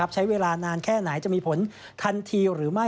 ใช้เวลานานแค่ไหนจะมีผลทันทีหรือไม่